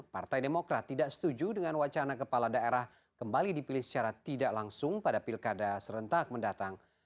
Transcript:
partai demokrat tidak setuju dengan wacana kepala daerah kembali dipilih secara tidak langsung pada pilkada serentak mendatang